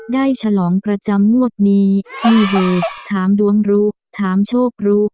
ฉลองประจำงวดนี้นี่เฮถามดวงรู้ถามโชครู้